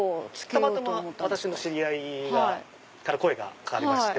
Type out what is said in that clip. たまたま私の知り合いから声が掛かりまして。